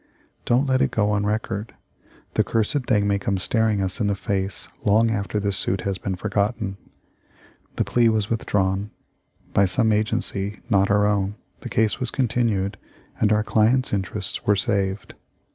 Don't let it go on record. The cursed thing may come staring us in the face long after this suit has been forgotten." The plea was with drawn. By some agency — not our own — the case was continued and our client's interests were saved.